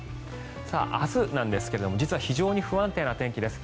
明日なんですが実は非常に不安定な天気です。